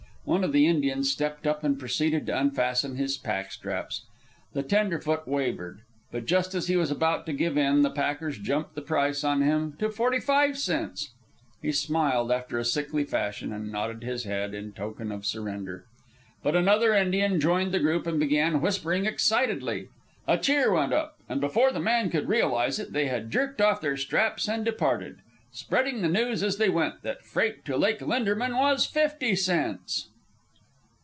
One of the Indians stepped up and proceeded to unfasten his pack straps. The tenderfoot wavered, but just as he was about to give in, the packers jumped the price on him to forty five cents. He smiled after a sickly fashion, and nodded his head in token of surrender. But another Indian joined the group and began whispering excitedly. A cheer went up, and before the man could realize it they had jerked off their straps and departed, spreading the news as they went that freight to Lake Linderman was fifty cents.